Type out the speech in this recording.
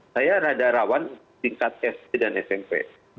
saya rada rawan tingkat sd dan smp